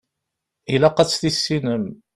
Ilaq ad tt-tissinem.